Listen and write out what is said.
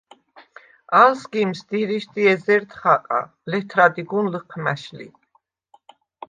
ალ სგიმს დირიშდი ეზერდ ხაყა, ლეთრადი გუნ ლჷჴმა̈შ ლი.